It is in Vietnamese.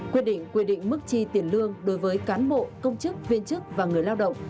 quy định quy định mức chi tiền lương đối với cán bộ công chức viên chức và người lao động